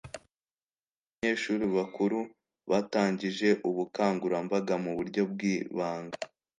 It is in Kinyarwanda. bamwe mu banyeshuri bakuru batangije ubukangurambaga mu buryo bw’ibanga